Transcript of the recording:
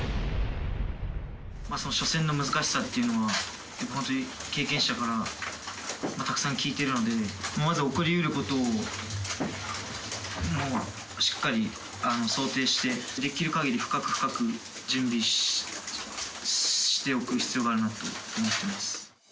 初戦の難しさっていうのは、本当に経験者からたくさん聞いてるので、まず起こりうることをしっかり想定して、できる限り深く深く準備しておく必要があるなと思ってます。